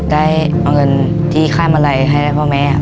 ได้เอาเงินที่ค่ายมะไรให้ได้พ่อแม้